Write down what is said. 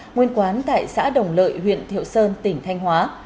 nguyên quán tại xã đồng lợi huyện thiệu sơn tỉnh thanh hóa